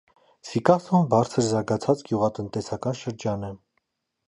Սիկասոն բարձր զարգացած գյուղատնտեսական շրջան է։